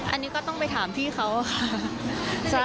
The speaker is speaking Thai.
อันนี้ก็ต้องไปถามพี่เขาค่ะ